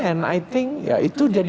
and i think ya itu jadi